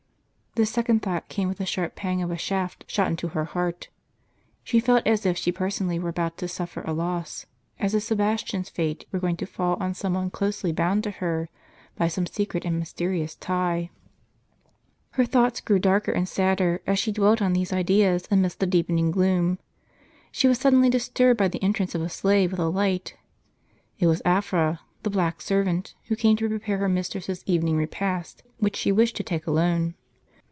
This second thought came with the sharp pang of a shaft shot into her heart. She felt as if she personally were about to sufl"er a loss, as if Sebastian's fate were going to fall on some one closely bound to her, by some secret and mysterious tie. Her thoughts grew darker and sadder, as she dwelt on these ideas amidst the deepening gloom. She was suddenly disturbed by the entrance of a slave with a light. It was Afra, the black servant, who came to prepare her mistress's evening repast, which she wished to take alone.